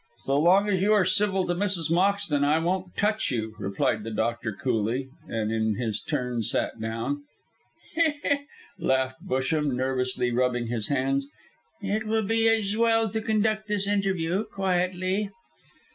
"So long as you are civil to Mrs. Moxton I won't touch you," replied the doctor, coolly, and in his turn sat down. "He! he!" laughed Busham, nervously rubbing his hands, "it will be as well to conduct this interview quietly."